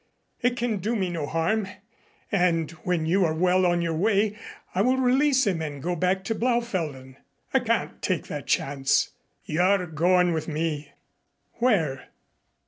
"It can do me no harm, and when you are well on your way, I will release him and go back to Blaufelden." "I can't take that chance. You're going with me." "Where?"